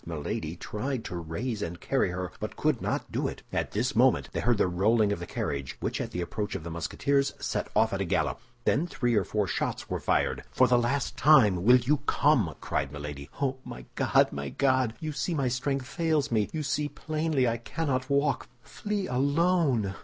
Milady tried to raise and carry her, but could not do it. At this moment they heard the rolling of the carriage, which at the approach of the Musketeers set off at a gallop. Then three or four shots were fired. "For the last time, will you come?" cried Milady. "Oh, my God, my God! you see my strength fails me; you see plainly I cannot walk. Flee alone!"